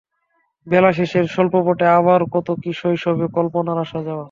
বেলাশেষের স্বল্পপটে আবার কত কি শৈশব-কল্পনার আসা-যাওয়া!